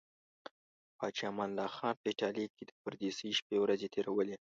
پاچا امان الله خان په ایټالیا کې د پردیسۍ شپې ورځې تیرولې.